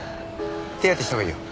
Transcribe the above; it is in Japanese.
手当てしたほうがいいよ。